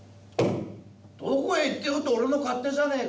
「どこへ行ってようと俺の勝手じゃねえか！」